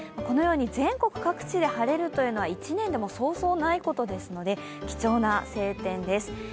このように全国各地で晴れるというのは１年でも、そうそうないことですので、貴重な晴天です。